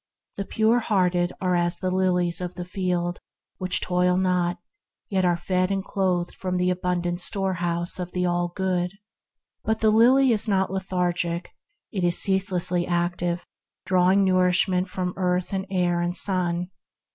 The pure hearted are as the lilies of the field, which toil not, yet are fed and clothed from the abundant storehouse of the All Good. But the lily is not lethargic; it is ceaselessly active, drawing nourishment from earth and air and sun.